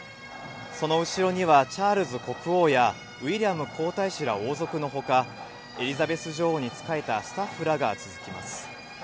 その後ろにはチャールズ国王や、ウィリアム皇太子ら王族のほか、エリザベス女王に仕えたスタッフらが続きます。